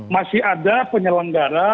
masih ada penyelenggara